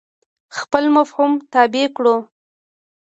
خپل فهم تابع کړو.